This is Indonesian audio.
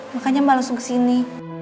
makanya mbak langsung kesini